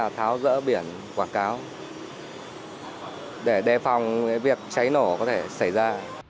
thảo dỡ biển quảng cáo để đề phòng việc cháy nổ có thể xảy ra